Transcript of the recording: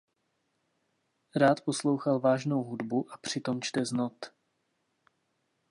Rád poslouchal vážnou hudbu a přitom čte z not.